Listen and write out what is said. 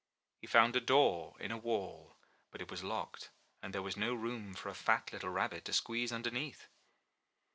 He found a door in a wall; but it was locked, and there was no room for a fat little rabbit to squeeze underneath.